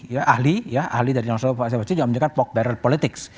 ya ahli ya ahli dari satu faisal basri juga menjelaskan pork barrel politics